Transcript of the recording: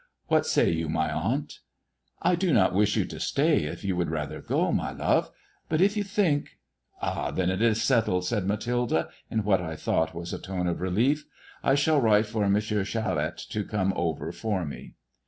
What say you, my aunt i "" I do not wish you to stay if yon would rather go, my love ; but if you think " "Then it is settled," said Mathilde, in what I thought was a tone of relief. "I shall write for M. Charette to come over for me."